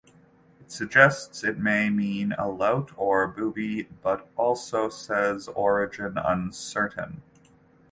It suggests it may mean a lout or booby, but also says "origin uncertain".